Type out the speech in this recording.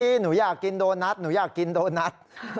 หนูอยากกินโดนัทหนูอยากกินโดนัท